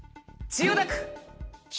千代田区。